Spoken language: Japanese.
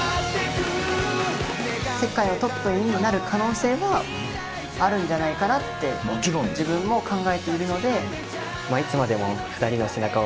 世界のトップになる可能性はあるんじゃないかなって自分も考えているので。